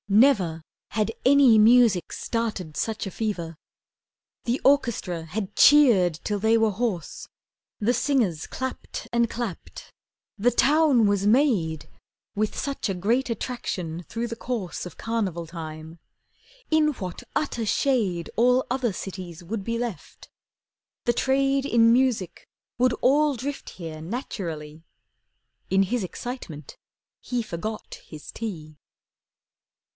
Never Had any music started such a fever. The orchestra had cheered till they were hoarse, The singers clapped and clapped. The town was made, With such a great attraction through the course Of Carnival time. In what utter shade All other cities would be left! The trade In music would all drift here naturally. In his excitement he forgot his tea.